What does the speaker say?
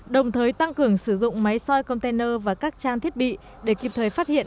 đồng thời tăng cường sử dụng máy soi container và các trang thiết bị để kịp thời phát hiện